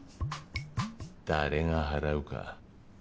誰が払うか。